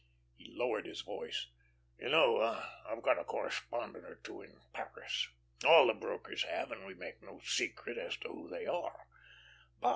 He lowered his voice: "You know I've got a correspondent or two at Paris all the brokers have and we make no secret as to who they are.